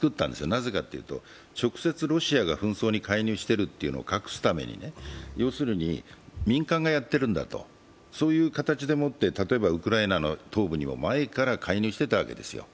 なぜかっていうと、直接ロシアが紛争に介入していることを隠すために要するに民間がやってるんだという形でもって、例えばウクライナの東部には前から介入していたわけですよ。